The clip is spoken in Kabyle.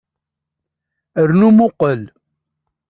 Rnu muqel.